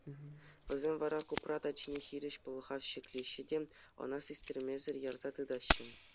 Вӗсем вара Купрат ачине хирӗҫ пӑлхав ҫӗклеҫҫӗ те ӑна систермесӗр ярса тытаҫҫӗ.